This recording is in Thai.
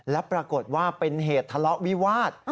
และปรากฏว่าเป็นเหตุทะเลาะวิวาส